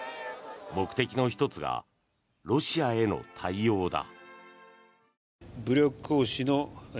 目的の１つがロシアへの対応だ。